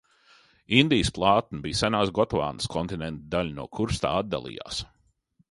Indijas plātne bija senās Gotvānas kontinenta daļa, no kuras tā atdalījās.